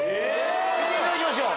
見ていただきましょう。